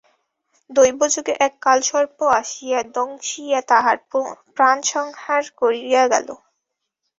দৈবযোগে এক কালসর্প আসিয়া দংশিয়া তাহার প্রাণসংহার করিয়া গেল।